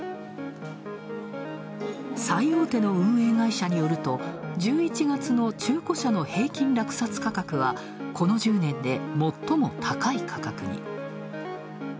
最大手の運営会社によると１１月の中古の平均落札価格はこの１０年でもっとも高い価格に。